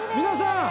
皆さん。